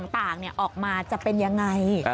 ต่างออกมาจะเป็นยังไง